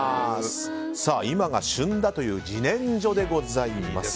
今が旬だという自然薯でございます。